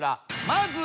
まずは。